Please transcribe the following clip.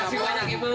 makasih banyak ibu